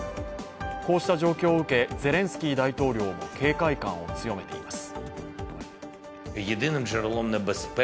こうした状況を受け、ゼレンスキー大統領も警戒感を強めています。